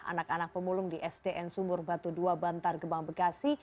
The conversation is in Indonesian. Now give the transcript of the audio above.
anak anak pemulung di sdn sumur batu dua bantar gebang bekasi